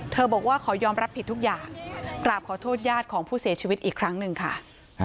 บอกว่าขอยอมรับผิดทุกอย่างกราบขอโทษญาติของผู้เสียชีวิตอีกครั้งหนึ่งค่ะ